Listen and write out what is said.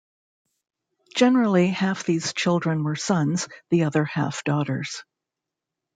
Generally half these children were sons, the other half daughters.